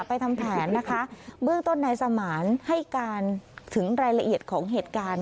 ทำแผนนะคะเบื้องต้นนายสมานให้การถึงรายละเอียดของเหตุการณ์